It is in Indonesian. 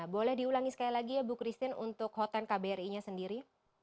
boleh diulangi sekali lagi ya bu christine untuk hotel kbri nya sendiri